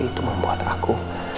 itu membuat aku